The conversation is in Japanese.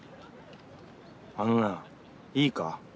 あのないいか？